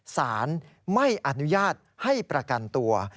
สารไม่อนุญาตให้ประกันตัว